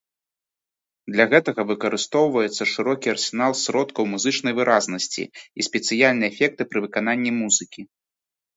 Для гэтага выкарыстоўваецца шырокі арсенал сродкаў музычнай выразнасці і спецыяльныя эфекты пры выкананні музыкі.